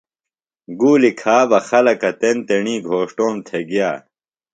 گُولی کھا بہ خلکہ تیݨ تیݨی گھوݜٹوم تھےۡ گیہ۔